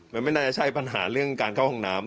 มันไม่น่าจะใช่ปัญหาเรื่องการเข้าห้องน้ำ